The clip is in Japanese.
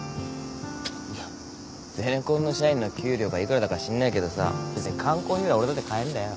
いやゼネコンの社員の給料が幾らだか知んないけどさ別に缶コーヒーぐらい俺だって買えんだよ。